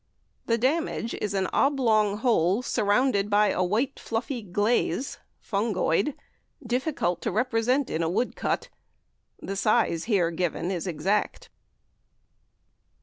The damage is an oblong hole, surrounded by a white fluffy glaze (fungoid?), difficult to represent in a woodcut. The size here given is exact.